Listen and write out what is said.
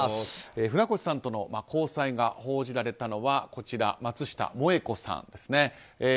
船越さんとの交際が報じられたのは松下萌子さんですね。